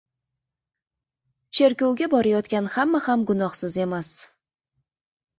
• Cherkovga borayotgan hamma ham gunohsiz emas.